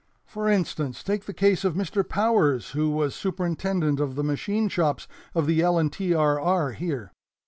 "For instance, take the case of Mr. Powers, who was superintendent of the machine shops of the L. and T. R. R. here.